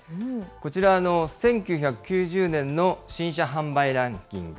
こちら、１９９０年の新車販売ランキング。